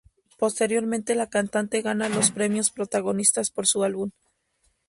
Posteriormente la cantante gana los Premios Protagonistas por su álbum.